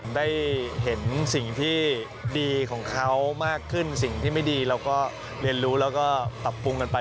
ได้เห็นสิ่งที่ดีของเขามากขึ้นสิ่งที่ไม่ดีเราก็เรียนรู้แล้วก็ปรับปรุงกันไป